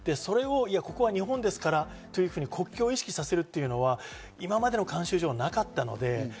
それをここは日本ですからというふうに国境を意識させるのは今までの慣習上なかったので。